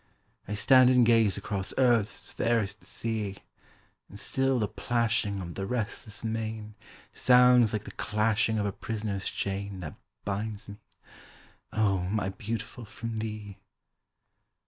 I stand and gaze across Earth's fairest sea, And still the plashing of the restless main, Sounds like the clashing of a prisoner's chain, That binds me, oh! my Beautiful, from thee.